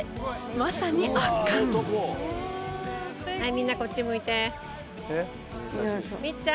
まさに圧巻はいみんなこっち向いて。